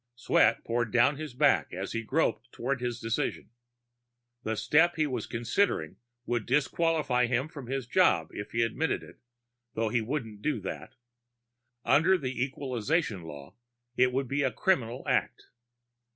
Sweat poured down his back as he groped toward his decision. The step he was considering would disqualify him from his job if he admitted it, though he wouldn't do that. Under the Equalization Law, it would be a criminal act.